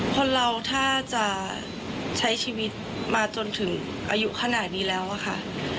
คนเราถ้าจะใช้ชีวิตมาจนถึงอายุขนาดนี้แล้วอะค่ะ